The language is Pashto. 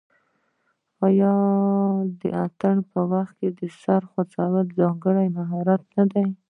آیا د اتن په وخت کې د سر خوځول ځانګړی مهارت نه دی؟